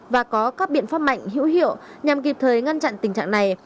và có các biện pháp mạnh hữu hiệu nhằm kịp thời ngăn chặn tình trạng này